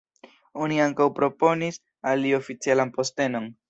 Oni ankaŭ proponis al li oficialan postenon.